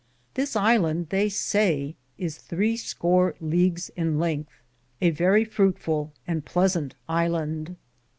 This ilande, they saye, is threscore leages in lengthe ; a verrie frutfuU and pleasante iland.